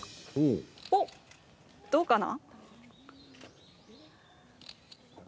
お、どうかな？